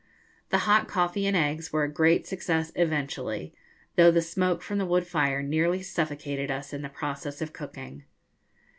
The hot coffee and eggs were a great success eventually, though the smoke from the wood fire nearly suffocated us in the process of cooking.